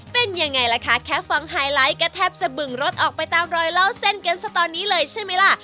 เป็นยังไงล่ะคะแค่ฟังไฮไลท์ก็แทบจะบึงรถออกไปตามรอยเล่าเส้นกันซะตอนนี้เลยใช่ไหมล่ะ